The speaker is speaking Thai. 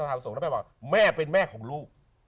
พระธรรมพระสงฆ์แล้วแม่บอกแม่เป็นแม่ของลูก